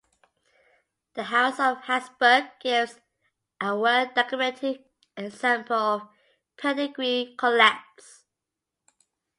The House of Habsburg gives a well-documented example of pedigree collapse.